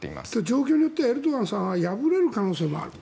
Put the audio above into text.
状況によってはエルドアンさんは敗れる可能性があると。